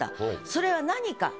それは何か。